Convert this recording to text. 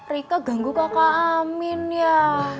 rike ganggu kakak amin ya